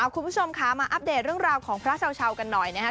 คุณผู้ชมค่ะมาอัปเดตเรื่องราวของพระชาวกันหน่อยนะครับ